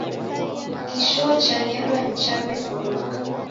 Kishoo chanyelwa na chaw'ekonoka